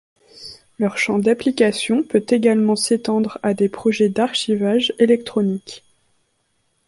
Leur champ d'application peut également s'étendre à des projets d'archivage électronique.